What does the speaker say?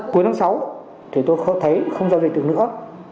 cuối năm sáu thì tôi thấy không giao dịch được nữa